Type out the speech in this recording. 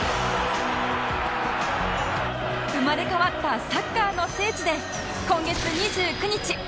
生まれ変わったサッカーの聖地で今月２９日